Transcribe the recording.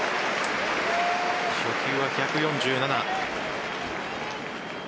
初球は１４７。